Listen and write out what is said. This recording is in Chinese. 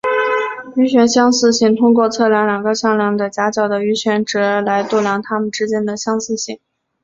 余弦相似性通过测量两个向量的夹角的余弦值来度量它们之间的相似性。